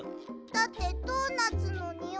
だってドーナツのにおいが。